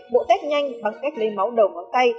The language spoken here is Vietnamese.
bộ test nhanh bằng cách lấy máu đầu ngón tay